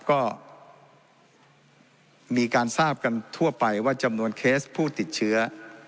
ก็มีการทราบกันทั่วไปว่าจำนวนเคสผู้ติดเชื้อ